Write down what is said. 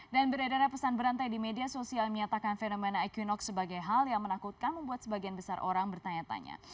dan berada pesan berantai di media sosial menyatakan fenomena equinox sebagai hal yang menakutkan membuat sebagian besar orang bertanya tanya